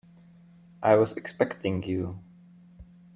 I was expecting you.